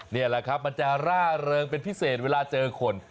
นี่แหละครับมันจะร่าเริงเป็นพิเศษเวลาเจอคน